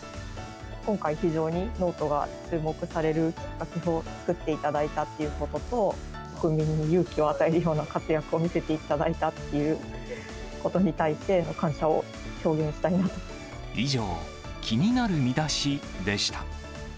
今回、非常にノートが注目されるきっかけを作っていただいたということと、国民に勇気を与えるような活躍を見せていただいたっていうことに以上、気になるミダシでした。